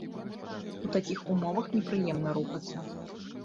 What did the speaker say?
У такіх умовах непрыемна рухацца.